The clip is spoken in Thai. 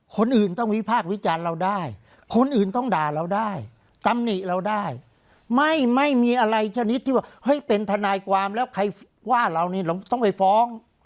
คนอื่นต้องวิพากษ์วิจารณ์เราได้คนอื่นต้องด่าเราได้ตำหนิเราได้ไม่ไม่มีอะไรชนิดที่ว่าเฮ้ยเป็นทนายความแล้วใครว่าเรานี่เราต้องไปฟ้อง